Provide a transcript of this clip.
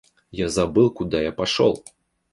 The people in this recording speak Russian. Я забыл, куда я пошел!